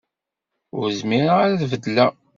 Ur zmireɣ ara ad beddleɣ.